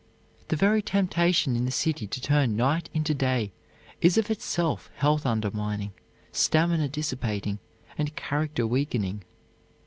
The very temptation in the city to turn night into day is of itself health undermining, stamina dissipating and character weakening.